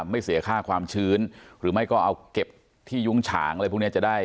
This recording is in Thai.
ไม่เสียค่าความชื้นหรือไม่ก็เอาเก็บที่ยุ้งฉางอะไรพวกนี้จะได้